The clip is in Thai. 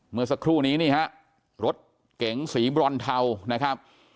เมื่อสักครู่นี้นี่ฮะรถเก๋งสีบรอนเทานะครับ